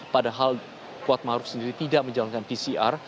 padahal kuat maruf sendiri tidak menjalankan pcr